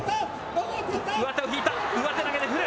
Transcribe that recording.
上手を引いた、上手投げで振る。